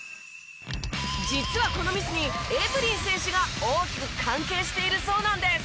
実はこのミスにエブリン選手が大きく関係しているそうなんです。